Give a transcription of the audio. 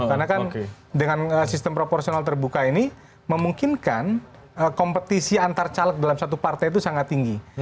karena kan dengan sistem proporsional terbuka ini memungkinkan kompetisi antar caleg dalam satu partai itu sangat tinggi